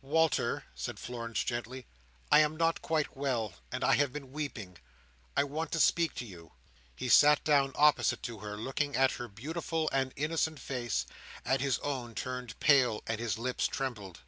"Walter," said Florence, gently, "I am not quite well, and I have been weeping. I want to speak to you." He sat down opposite to her, looking at her beautiful and innocent face; and his own turned pale, and his lips trembled.